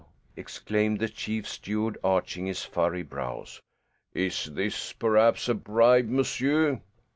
exclaimed the chief steward, arching his furry brows. "Is this perhaps a bribe, monsieur?"